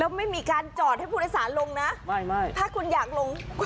แล้วไม่มีการจอดให้ผู้โดยสารลงนะไม่ไม่ถ้าคุณอยากลง